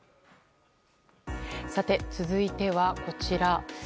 続いてはこちら。